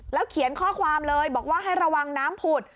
เขียนข้อความเลยบอกว่าให้ระวังน้ำผุด